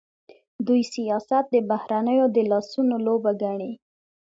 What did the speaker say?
دوی سیاست د بهرنیو د لاسونو لوبه ګڼي.